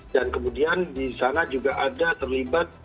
dan kemudian di sana juga ada terlibat